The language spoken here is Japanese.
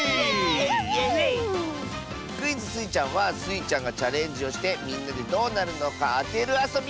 クイズ「スイちゃん」はスイちゃんがチャレンジをしてみんなでどうなるのかあてるあそび！